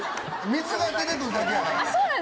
水が出て来るだけやがな。